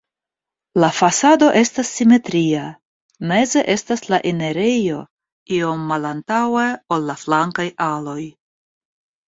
La fasado estas simetria, meze estas la enirejo iom malantaŭe, ol la flankaj aloj.